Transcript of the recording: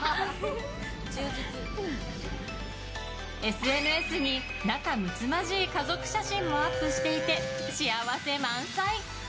ＳＮＳに仲むつまじい家族写真もアップしていて幸せ満載。